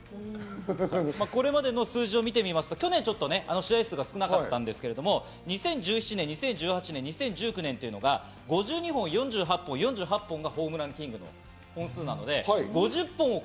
これまでの数字を見てみますと、去年ちょっと試合数が少なかったんですけど、２０１７年、２０１８年、２０１９年というのが５２本、４８本、４８本がホームランキング。